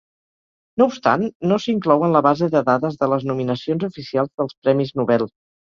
No obstant, no s'inclou en la base de dades de les nominacions oficials dels premis Nobel.